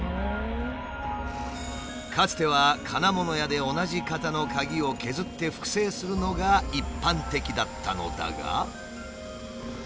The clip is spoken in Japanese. かつては金物屋で同じ型の鍵を削って複製するのが一般的だったのだが。